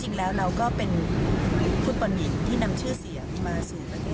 จริงแล้วเราก็เป็นฟุตบอลหญิงที่นำชื่อเสียงมาสู่ประเทศ